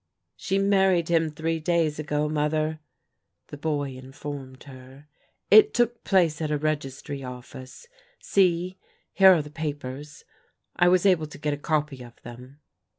" She married him three days ago. Mother," the boy informed her. " It took place at a Registry Office. See, here are the papers. I was able to get a copy of tfiem."